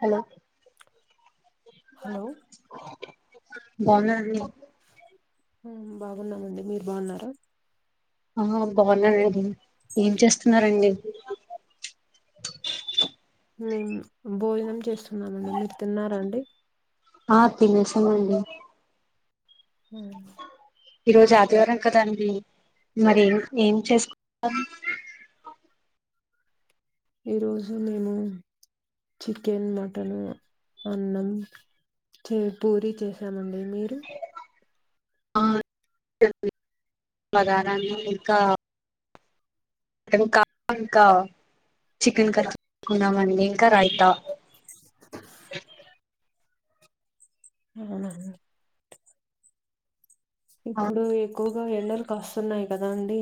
Hello hello బాగున్నారాండి బాగున్నామండి మీరు బాగున్నార ఆ బాగున్నానం ఏం చేస్తున్నారండి మేం భోజనం చేస్తున్నామండి మీరు తిన్నారాండి ఆ తినేశామండి హ ఈ రోజు ఆదివారం కదండి మరి ఏం ఏం చేసుకు ఈరోజు మేము చికెన్ మటన్ అన్నం చే పూరి చేసామండి మీరు ఆ బగారా అన్నం ఇంకా మటన్ కా ఇంకా చికెన్ కర్ చేసుకున్నామండి ఇంకా రైతా అవునా అన్ ఇప్పుడు ఎక్కువగా ఎండలు కాస్తున్నాయి కదా అండి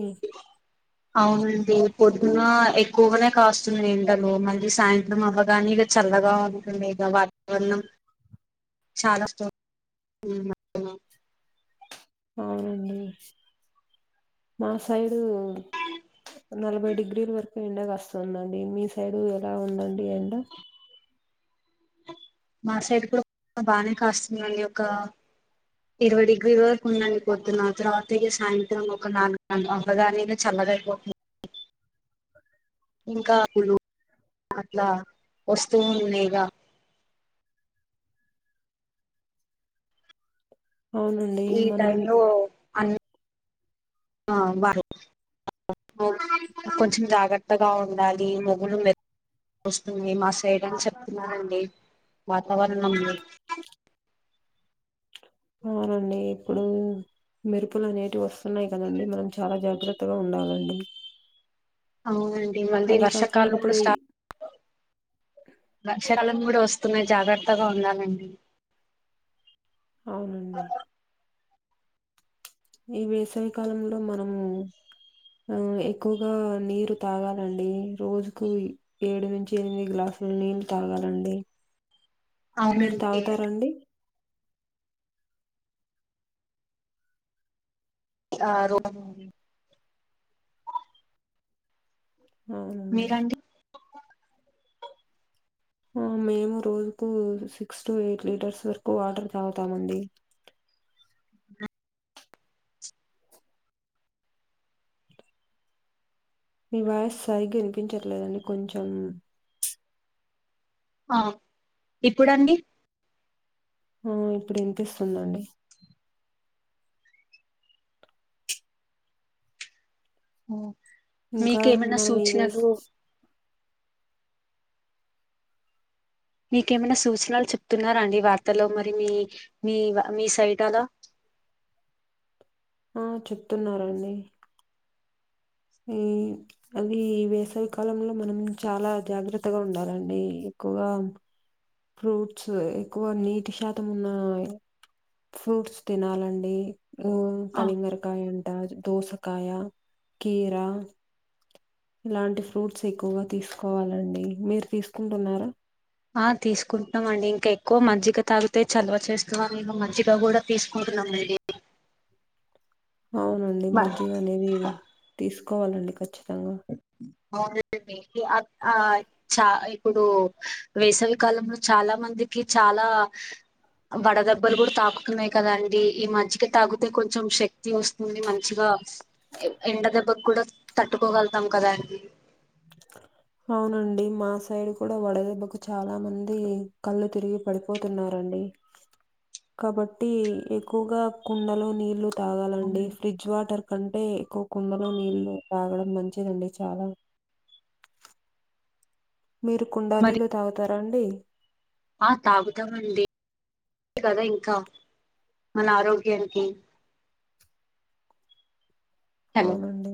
అవునండి పొద్దున ఎక్కువగానే కాస్తుంది ఎండలు మళ్ళీ సాయంత్రం అవ్వగానే చల్లగా ఉంటుంది వాతావరణం చాలా అవునండి మా సైడు నలభై డిగ్రీల వరకు ఎండ కాస్తుందండి మీ సైడ్ ఎలా ఉందండి ఎండ మా సైడ్ కూడా బానే కాస్తుందండి ఒక ఇరవై డిగ్రీల వరకు ఉందని పొద్దున తరువాత సాయంత్రం ఒక నాలుగు గ అవ్వగానే చల్లగయిపోతు ఇంకాప్పులు అట్లా వస్తే లేగా అవును ఈ టైంలో అన్ని ఆ బా కొంచెం జాగ్రత్తగా ఉండాలి మగ్గులు మె వస్తుంది మా సైడ్ అని చెప్తున్నారండి వాతావరణంలో అవునండి ఇప్పుడు మెరుపులు అనేటివి వస్తున్నాయి కదండి మనం చాలా జాగ్రత్తగా ఉండాలండి అవునండి మళ్ళీ అది కాక వర్షకాలం కూడా ఇప్పుడు ఈ- స్టార్ట్ వర్షాకాలం కూడా వస్తున్నాయి జాగ్రత్తగా ఉండాలండి అవునండి ఈ వేసవి కాలంలో మనము ఆ ఎక్కువగా నీరు తాగాలండి రోజుకు ఏడు నుంచి ఎనిమిది గ్లాసుల నీళ్లు తాగాలండి అ మీరు తాగుతార అండి? ఆ రోజు అవునండి మీరండి ఆ మేము రోజుకు సిక్స్ టు ఎయిట్ లీటర్స్ వరకు వాటర్ తాగుతామండి మీ వాయిస్ సరిగ్గా వినిపించట్లేదండి కొంచెం ఆ ఇప్పుడండీ? ఆ ఇప్పుడు ఇనిపిస్తుందండి. మ్ ఇంకా మీకేమైన మనం ఈ వేస్ సూచనలు మీకేమైన సూచనలు చెప్తున్నార అండి వార్తల్లో మరి మీ మీ మీ సైట్ అలా ఆ చెప్తున్నారండి ఏమ్ అది ఈ వేసవికాలంలో మనం చాలా జాగ్రత్తగా ఉండాలండి ఎక్కువగా ఫ్రూట్స్ ఎక్కువ నీటి శాతం ఉన్న ఫ్రూట్స్ తినాలండి. మ్ ఆ కలింగరకాయ అంట, దోసకాయ, కీరా ఇలాంటి ఫ్రూట్స్ ఎక్కువగా తీసుకోవాలండి. మీరు తీసుకుంటున్నారా? ఆ తీసుకుంటున్నాం అండి ఇంక ఎక్కువ మజ్జిగ తాగితే చలువ చేస్తుందని మేము మజ్జిగ కూడ తీసుకుంటున్నాండి. అవునండి మజ్జిగ అనేది తీసుకోవాలండి ఖచ్చితంగా. బావుండేది నీకి అక్ ఆయ్ చా ఇప్పుడు వేసవికాలంలో చాలా మందికి చాలా వడదెబ్బలు కూడా తాకుతున్నాయి కద అండి, ఈ మజ్జిగ తాగితే కొంచెం శక్ ఇట్లోస్తుంది మంచిగ ఎండ దెబ్బకు కూడ కోగలుగుతాం కదా అండి అవునండి మా సైడ్ కూడ వడదెబ్బకు చాల మంది కళ్ళు తిరిగి పడిపోతున్నారండి. అ కాబట్టి ఎక్కువగా కుండలో నీళ్లు తాగాలండి ఫ్రిడ్జ్ వాటర్ కంటే, ఎక్కువ కుండలో నీళ్లు తాగడం మంచిదండి చాల మీరు కుండ మరి నీళ్ళు తాగుతారా అండి ఆ తాగుతామండి. అదే కదా ఇంక మన ఆరోగ్యానికి హలో అవునండి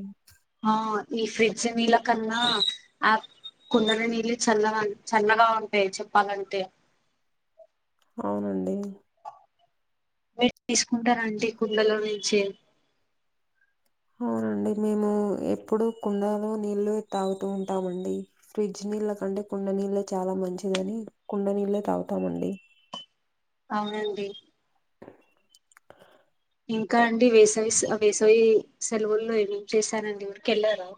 ఆ ఈ ఫ్రిడ్జ్ నీళ్ళ కన్నా ఆక్ కుండలో నీళ్ళే చల్లగా చల్లగా ఉంటాయి చెప్పాలంటే అవునండి నీల్ తీసుకుంటార ఆంటీ కుండలోనుంచి అవునండి మేము ఎప్పుడూ కుండలో నీళ్లే తాగుతూ ఉంటామండి. ఫ్రిడ్జ్ నీళ్ళ కంటే కుండ నీళ్ళే చాలా మంచిదని కుండ నీళ్ళే తాగుతామండి అవునండి ఇంకా అండి వేసవి సే వేసవి సెలవుల్లో ఏం చేశారండీ ఊరికి వెళ్లారా?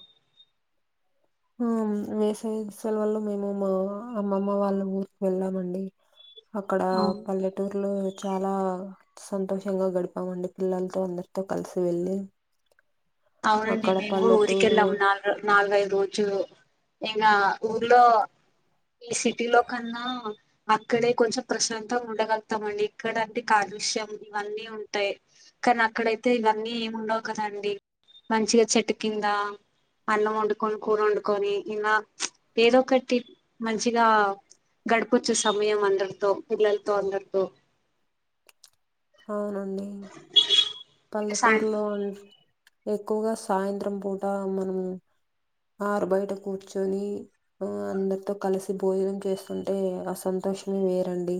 ఆమ్ వేసవి సెలవల్లో మేము మా అమ్మమ్మ వాళ్ళ ఊరికి వెళ్ళామండి. అక్కడ అవును. పల్లెటూర్లో చాలా, సంతోషంగా గడిపామండి పిల్లలతో అందరితో కలిసి వెల్లి అవునుండి మేము కూడ ఊరికి పల్లెటూరు వెళ్ళాము నాల్ నాలుగైదు రోజులు ఇంకా ఊర్లో సిటీలోకనా అక్కడే కొంచెం ప్రశాంతంగా ఉండగలుగుతాండి ఇక్కడంటే కాలుష్యం ఇవన్నీ ఉంటాయి కానీ అక్కడైతే ఇవన్నీ ఏమి ఉండవు కదండి మంచిగా చెట్టు కిందా అన్నం వండుకొని కూర వండుకొని ఇంకా ఏదో ఒకటి మంచిగా గడిపొచ్చు సమయం అందరితో పిల్లలతో అందరితో అవునండి సాయంత్రం పల్లెటూరులో అ ఎక్కువగా సాయంత్రం పూట మనం ఆరుబయట కూర్చొని ఆ అందరితో కలిసి భోజనం చేస్తుంటే అ సంతోషమే వేరండి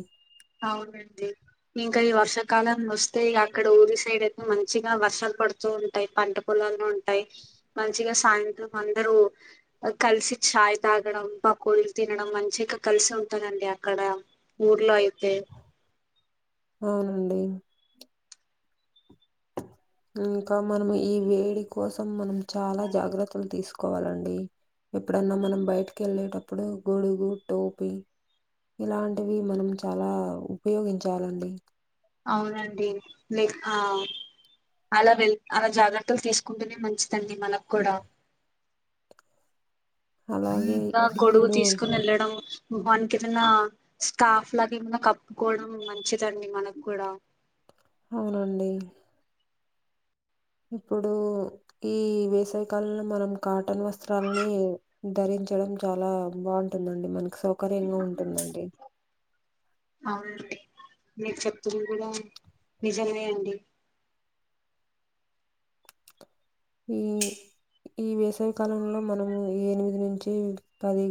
అవునండి ఇంకా ఈ వర్షాకాలం వస్తే ఇగ అక్కడ ఊరి సైడ్ ఏమో మంచిగా వర్షాలు పడుతూ ఉంటాయి పంట పో పొలాలు ఉంటాయి మంచిగా సాయంత్రం అందరూ కలిసి చాయ్ తాగడం పకోడిలు తినడం మంచిగాగా కలిసి ఉంటారు అండి అక్కడ ఊర్లో అయితే అవునండి ఇంకా మనం ఈ వేడి కోసం మనం చాలా జాగ్రత్తలు తీసుకోవాలండి ఎప్పుడన్నా మనం బయటకి వెళ్ళేటప్పుడు గొడుగు టోపి ఇలాంటివి మనం చాలా ఉపయోగించాలండి అవునండి లేక్ ఆ అలా వెల్ అలా జాగ్రత్తలు తీసుకుంటూనే మంచిదండి మనకి కూడా అలాగే ఇంకా గోడుగు ఇప్పుడు తీసుకోని వెళ్ళడం ముఖానికి ఏదైనా స్కాఫ్ లాగా ఏమన్నా కప్పుకోవడం మంచిదండి మనకు కూడా అవునండి ఇప్పుడు ఈ వేసావికాలంలో మనం కాటన్ వస్త్రాలని ధరించడం చాలా బాగుంటుందండి మనకు సౌకర్యంగా ఉంటుందండి అవును అండి మీ చెప్తుంది కూడ నిజమే అండి ఈ ఈ వేసవికాలంలో మనము ఎనిమిది నుంచి పది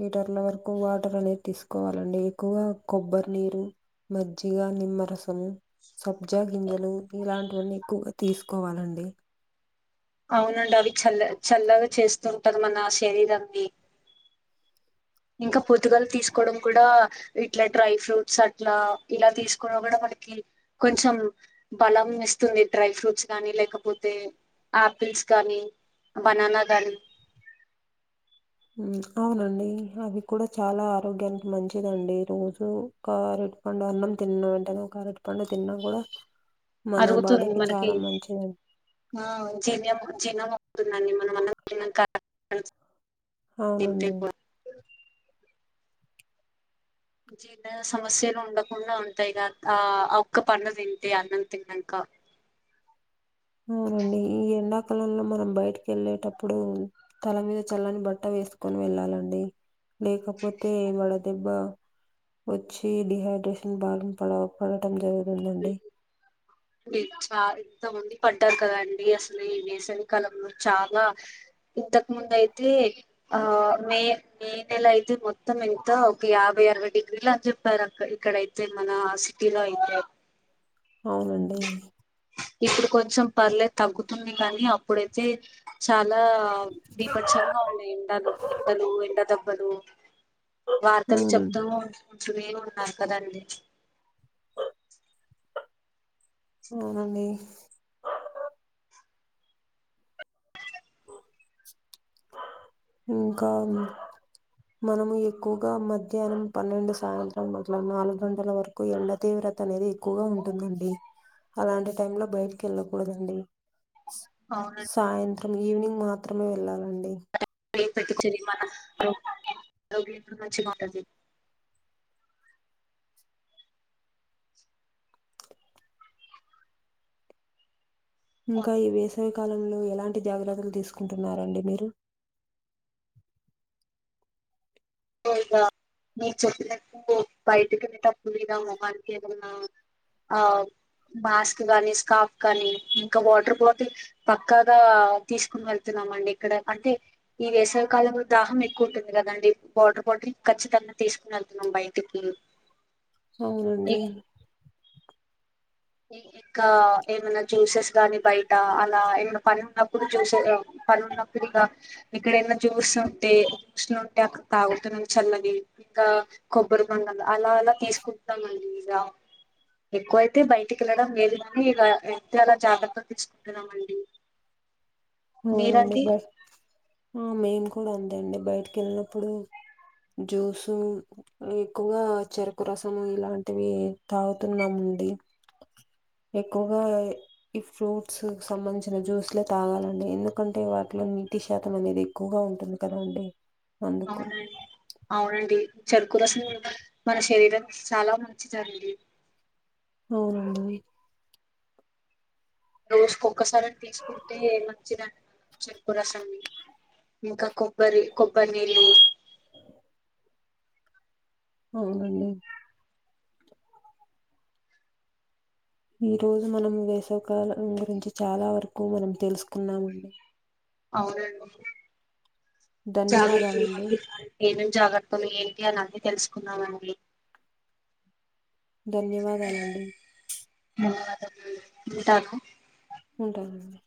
లీటర్ల వరకు వాటర్ అనేది తీసుకోవాలండి ఎక్కువగా కొబ్బరినీరు మజ్జిగ నిమ్మరసము సబ్జా గింజలు ఇలాంటివన్నీ ఎక్కువగా తీసుకోవాలండి అవునండి అవి చల్ల చల్లగా చేస్తూంటాది మన శరీరాన్ని ఇంకా పొద్దుగాల తీసుకోవడం కూడా ఇట్లా డ్రై ఫ్రూట్స్ అట్లా ఇలా తీసుకున్నా కూడా మనకి కొంచెం బలంని ఇస్తుంది డ్రై ఫ్రూట్స్ గాని లేకపోతే ఆపిల్స్ గాని బనానా కాని ఉ అవునండి అవి కూడా చాలా ఆరోగ్యానికి మంచిదండి రోజూ ఒక అరటి పండు అన్నం తిన్నా వెంటనే ఒక అరటి పండు తిన్నా కూడా మన అరుగుతుంది బాడీకి మనకి చాలా మంచిదండి ఆ జిర్ జీర్ణం అవుతుందండి మనము అన్నం తిన్నాక తింటే అవునండి కూడా జీర్ణ సమస్యలు ఉండకుండా ఉంటాయిగాద ఆ ఒక్క పండు తింటే అన్నం తిన్నాక అవునండి ఈ ఎండాకాలంలో మనం బయటికి వెళ్ళేటప్పుడు తల మీద చల్లని బట్ట వేసుకొని వెళ్ళాలండి లేకపోతే ఏ వడ దే దెబ్బ వచ్చి డిహైడ్రేషన్ భారీన పడ పడటం జరుగుతుందండి మీరు చా ఇంత మంది పడ్డారు కద అండి అసలు ఈ వేసవి కాలంలో చాలా ఇంతకు ముందు అయితే ఆ మే మే నెల అయితే మొత్తం ఇంత ఒక యాభై అరవై డిగ్రీలు అని చెప్పారు అక్క ఇక్కడైతే తే మన సిటీలో ఐతే అవునండి ఇప్పుడు కొంచెం పర్లేదు తగ్గుతున్నాయి కాని అప్పుడైతే చాలా బిబచంగ ఉన్నాయి ఎండలు ఎండలు ఎండ దెబ్బలు వార్తలు చెప్తూ అవును చెప్తునేవున్నరు ఉంట ఉంటూనే ఉన్నారు కదండి అవునండి ఇంకా మనము ఎక్కువగా మధ్యాహ్నం పన్నెండు సాయంత్రం పట్ల నాలుగు గంటల వరకు కు ఎండ తీవ్రత అనేది ఎక్కువగా ఉంటుదుంతి అలాంటి టైమ్ లో బయటికి వెళ్ళకూడదండి అవునండి సాయంత్రం ఈవినింగ్ మాత్రమే వెళ్ళాలండి టన్ పెట్టించది మన ఆరోగ్య మంచిగాంటంది ఇంకా ఈ వేసవికాలంలో ఎలాంటి జాగ్రత్తలు తీసుకుంటున్నారండి మీరు ఇ మీరు చెప్పినకు బయటకు వెళ్లోచ్చుటప్పు మీద మ [inaudible] ఆ మాస్క్ గాని స్కాఫ్ గానీ ఇంకా వాటర్ క్లోతింగు పక్కాగా తీసుకుని వెళ్తున్నామండి ఇక్కడ అంటే ఈ వేసవవికాలంలో దాహం ఎక్కువ ఉంటుంది కదండి వాటర్ బాటిల్ ఖచ్చితంగా తీసుకుని వెళ్తున్నాం బయటికి అవునండి ఇగ ఇంకా ఏమైనా జ్యూసెస్ గాని బయట అలా ఏమైనా పని ఉన్నప్పుడు జ్యూసెస్ పని ఉన్నప్పుడు ఇగ ఏక్కడైనా జ్యూస్ ఉంటే మిషన్ ఉంటే అక్కడ తాగుతాను చల్లది ఇంకా కొబ్బరి బొండాలు అలా అలా తీసుకుంటాండి ఇక ఎక్కువైతే బయట ఇంటికెళ్లడం లేదుగాని ఇలా ఎంత ఎలా జాగ్రత్తలు తీసుకుంటున్నమండి అవునండి బ మేము కూడా అంతే అండి బయటకి వెళ్ళినప్పుడు జ్యూసు ఎక్కువగా చెరుకు రసము ఇలాంటివి తాగుతున్నామండి ఎక్కువగా ఈ ఫ్రూట్స్ సంబంధించిన జ్యూస్లే తాగాలి ఎందుకంటే వాటిలో నీటి శాతం అనేది ఎక్కువగా ఉంటుంది కదా అండి అవునండి అవునండి చెరుకు రసం మన శరీరకి చాలా మంచిదండి అవునండి రోజుకిఒక్కసారైనా తీసుకుంటే మంచిదండి చెరుకు రసం ఇంకా కొబ్బరి కొబ్బరి నీళ్లు అవునండి ఈ రోజు మనం వేసవ కాలం గురించి చాలా వరకు మనం తెలుసుకున్నామ అండి అవునండి జాగ్రత్తలు మ ధన్యవాదాలండి ఏమం జాగ్రత్తలు ఏంటి అని అన్ని తెలుసుకున్నామండి ధన్యవాదాలండి ధన్యవాదాలండి ఉంటాను ఉంటాము